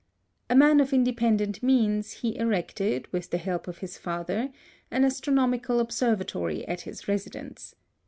A man of independent means, he erected, with the help of his father, an astronomical observatory at his residence.